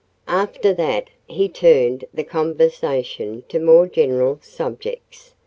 After that, he turned the conversation to more general subjects.